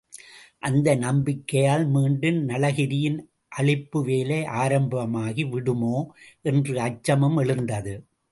அந்த நம்பிக்கையால் மீண்டும் நளகிரியின் அழிப்பு வேலை ஆரம்பமாகி விடுமோ? என்ற அச்சமும் எழுந்தது.